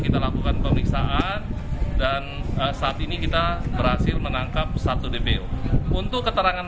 kita lakukan pemeriksaan dan saat ini kita berhasil menangkap satu dpo untuk keterangan